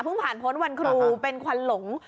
ผ่านพ้นวันครูเป็นควันหลง